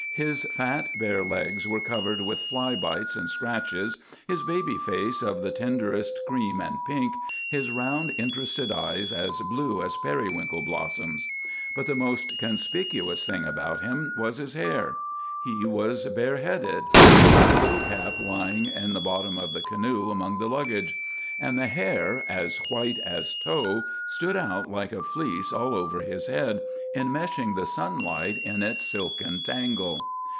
His fat, bare legs were covered with fly bites and scratches, his baby face of the tenderest cream and pink, his round, interested eyes as blue as periwinkle blossoms. But the most conspicuous thing about him was his hair. He was bareheaded—his little cap lying in the bottom of the canoe among the luggage—and the hair, as white as tow, stood out like a fleece all over his head, enmeshing the sunlight in its silken tangle.